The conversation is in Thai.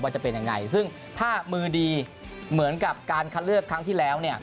จะเป็นยังไงซึ่งถ้ามือดีเหมือนกับการคัดเลือกครั้งที่แล้วเนี่ย